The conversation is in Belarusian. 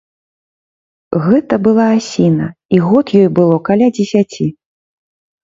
Гэта была асіна, і год ёй было каля дзесяці.